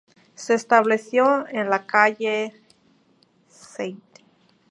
Se estableció en la calle St.